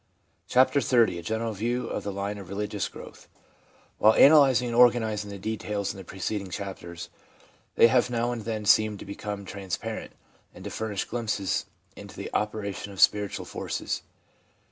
CHAPTER XXX A GENERAL VIEW OF THE LINE OF RELIGIOUS GROWTH WHILE analysing and organising the details in the preceding chapters, they have now and then seemed to become transparent, and to furnish glimpses into the operation of spiritual forces.